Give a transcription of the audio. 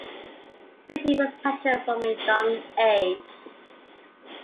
Painting was his passion from a young age.